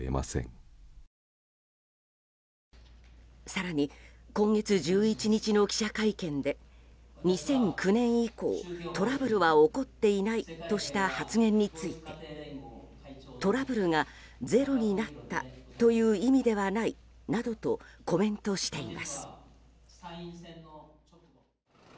更に、今月１１日の記者会見で２００９年以降トラブルは起こっていないとした発言についてトラブルがゼロになったという意味ではないなどとコメントしています。